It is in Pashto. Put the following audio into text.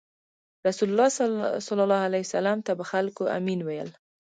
رسول الله ﷺ ته به خلکو “امین” ویل.